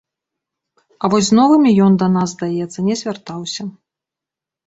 А вось з новымі ён да нас, здаецца, не звяртаўся.